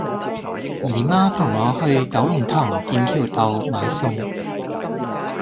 姨媽同我去九龍塘劍橋道買餸